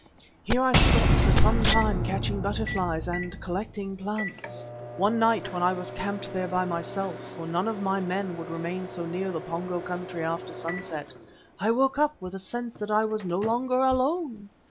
Here I stopped for some time catching butterflies and collecting plants. One night when I was camped there by myself, for none of my men would remain so near the Pongo country after sunset, I woke up with a sense that I was no longer alone.